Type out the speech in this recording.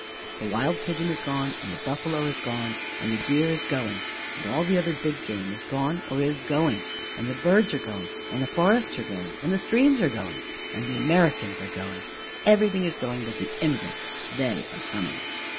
"The wild pigeon is gone, and the buffalo is gone, and the deer is going, and all the other big game is gone or is going, and the birds are going, and the forests are going, and the streams are going, and the Americans are going: everything is going but the immigrants they are coming."